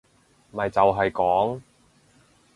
咪就係講